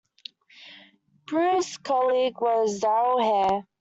Prue's colleague was Darrell Hair.